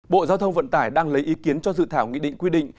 bộ giao thông vận tải đang lấy ý kiến cho dự thảo nghị định quy định